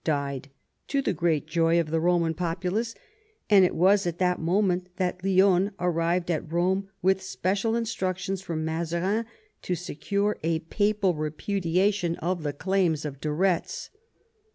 died, to the great joy of the Roman populace, and it was at that moment that Lionne arrived at Rome with special instructions from Mazarin to secure a papal repudiation of the claims of VII SPANISH WAR AND ENGLISH ALLIANCE 126 de Retz.